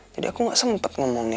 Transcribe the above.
jadi aku gak sempet ngomongnya